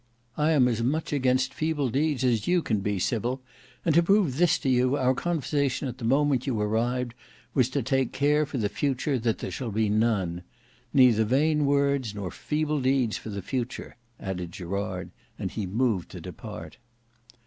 I am as much against feeble deeds as you can be, Sybil; and to prove this to you, our conversation at the moment you arrived, was to take care for the future that there shall be none. Neither vain words nor feeble deeds for the future," added Gerard, and he moved to depart.